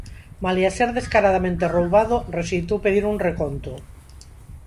Malia ser descaradamente roubado, rexeitou pedir un reconto.